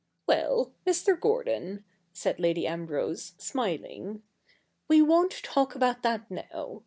'Well, Mr. Gordon,' said Lady Ambrose, smiling, 'we won't talk about that now.